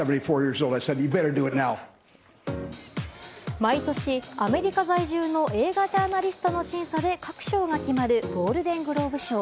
毎年、アメリカ在住の映画ジャーナリストの審査で各賞が決まるゴールデングローブ賞。